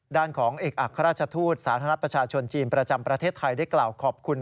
ด้านของเอกอัครราชทูตสาธารณประชาชนจีนประจำประเทศไทยได้กล่าวขอบคุณ